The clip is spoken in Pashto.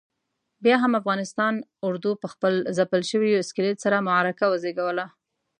بیا هم افغانستان اردو پخپل ځپل شوي اسکلیت سره معرکه وزېږوله.